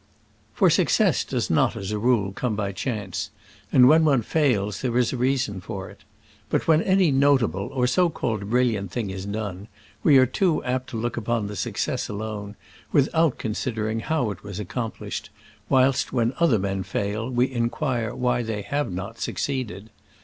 For success does not, as a rule, come by chance, and when one fails there is a reason for it. But when any notable or so called brilliant thing is done, we are too apt to look upon the success alone, without considering how it was accom plished, whilst when men fail we inquire why they have not succeeded.